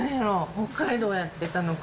北海道やって、楽君。